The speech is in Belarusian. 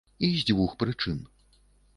І з дзвюх прычын.